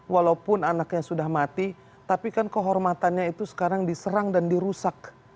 walaupun anaknya sudah mati tapi kan kehormatannya itu sekarang diserang dan dirusak